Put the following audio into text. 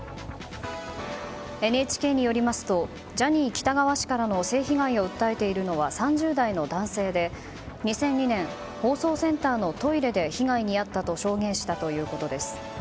ＮＨＫによりますとジャニー喜多川氏からの性被害を訴えているのは３０代の男性で２００２年放送センターのトイレで被害に遭ったと証言したということです。